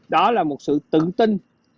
đó là một sự tự tin